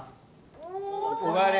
おお帰り